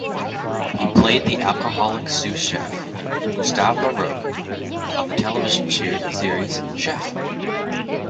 He played the alcoholic sous chef Gustave LaRoche on the television series Chef!